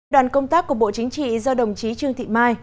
đoàn công tác của bộ chính trị do đồng chí trương thị mai